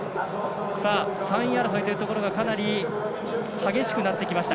３位争いというところがかなり激しくなってきました。